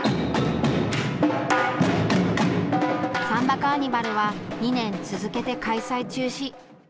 サンバカーニバルは２年続けて開催中止。